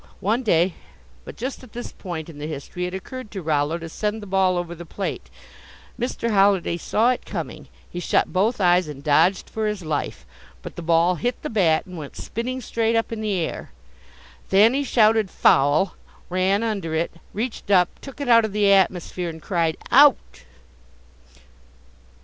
One day " But just at this point in the history it occurred to Rollo to send the ball over the plate. Mr. Holliday saw it coming; he shut both eyes and dodged for his life, but the ball hit his bat and went spinning straight up in the air. Thanny shouted "Foul!" ran under it, reached up, took it out of the atmosphere, and cried: "Out!"